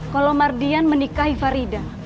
kalau mardian menikahi farida